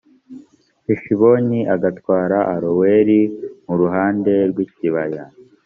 heshiboni agatwara aroweri mu ruhande rw ikibaya